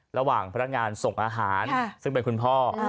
ระหว่างพนักงานส่งอาหารซึ่งเป็นคุณพ่อ